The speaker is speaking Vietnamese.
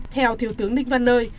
theo thiếu tướng đinh văn nơi